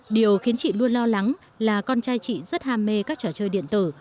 điều khiến chị luôn lo lắng là con trai chị rất ham mê các trò chơi điện tử